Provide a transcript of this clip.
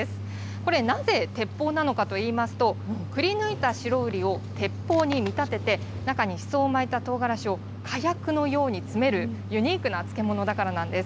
これ、なぜ鉄砲なのかといいますと、くりぬいた白瓜を鉄砲に見立てて、中にしそを巻いた唐辛子を火薬のように詰めるユニークな漬物だからなんです。